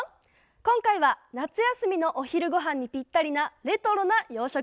今回は夏休みのお昼ご飯にぴったりなレトロな洋食。